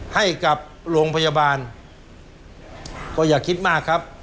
ให้กับโรงพยาบาลก็อย่าคิดมากครับ